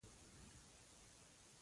د ماینونو په اړه دې د درس مفهوم ووایي.